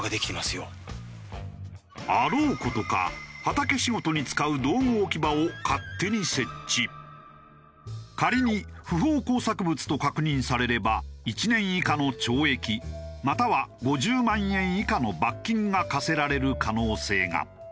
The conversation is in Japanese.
あろう事か畑仕事に使う仮に不法工作物と確認されれば１年以下の懲役または５０万円以下の罰金が科せられる可能性が。